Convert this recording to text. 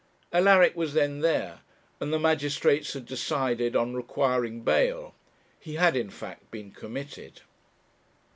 Alaric was then there, and the magistrates had decided on requiring bail; he had, in fact, been committed.